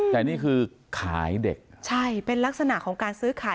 แต่นี่คือขายเด็กใช่เป็นลักษณะของการซื้อขาย